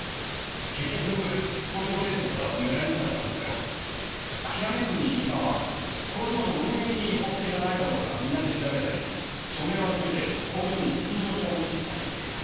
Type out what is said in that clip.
結局工場建設は止められなかったんですが諦めずに今は工場の運営に違法性がないかどうかみんなで調べたり署名を集めて工場に陳情書を持っていったりしています。